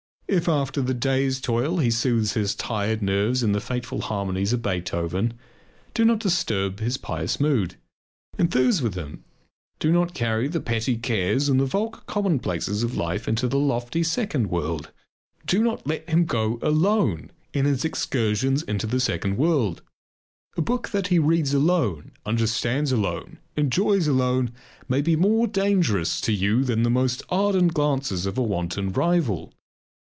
If after the day's toil he soothes his tired nerves in the fateful harmonies of Beethoven, do not disturb his pious mood; enthuse with him, do not carry the petty cares and the vulgar commonplaces of life into the lofty second world. Do you understand me, or must I speak more plainly? Do not let him go alone on his excursions into the second world! A book that he reads alone, understands alone, enjoys alone, may be more dangerous to you than the most ardent glances of a wanton rival.